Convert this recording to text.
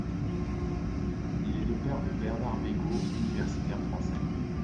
Il est le père de Bernard Bégaud, universitaire français.